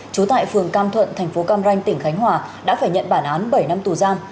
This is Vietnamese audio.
trú tại phường cam thuận thành phố cam ranh tỉnh khánh hòa đã phải nhận bản án bảy năm tù giam